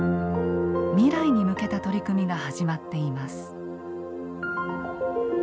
未来に向けた取り組みが始まっています。